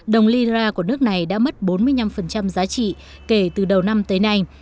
đồng ly ra của nước này đã mất bốn mươi năm giá trị kể từ đầu năm tới nay